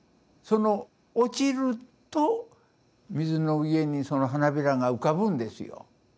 その落ちると水の上にその花びらが浮かぶんですよ。